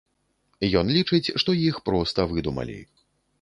Ён лічыць, што іх проста выдумалі.